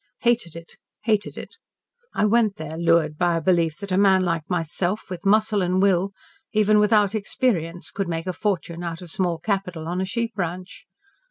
"Hated it! Hated it! I went there lured by a belief that a man like myself, with muscle and will, even without experience, could make a fortune out of small capital on a sheep ranch.